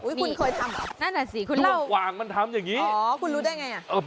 อุ้ยคุณเคยทำเหรอด้วงกว่างมันทำอย่างนี้อ๋อคุณรู้ได้ไง